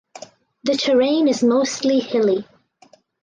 The terrain is mostly hilly.